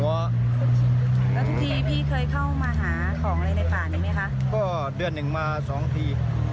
แล้วทุกทีพี่เคยเข้ามาหาของอะไรในป่านี้ไหมคะก็เดือนหนึ่งมาสองที